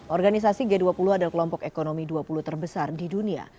organisasi g dua puluh adalah kelompok ekonomi dua puluh terbesar di dunia